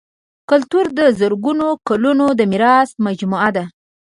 کلتور د زرګونو کلونو د میراث مجموعه ده.